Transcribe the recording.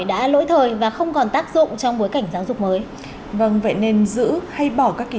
đã lỗi thời và không còn tác dụng trong bối cảnh giáo dục mới vâng vậy nên giữ hay bỏ các kỳ